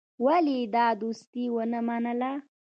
ولي يې دا دوستي ونه منله.